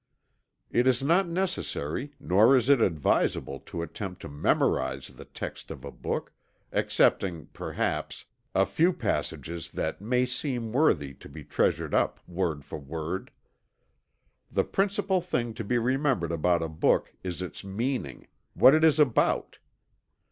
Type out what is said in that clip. It is not necessary, nor is it advisable to attempt to memorize the text of a book, excepting, perhaps, a few passages that may seem worthy to be treasured up word for word. The principal thing to be remembered about a book is its meaning what it is about.